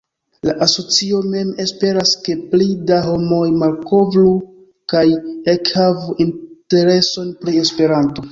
La asocio mem esperas ke pli da homoj malkovru kaj ekhavu intereson pri Esperanto.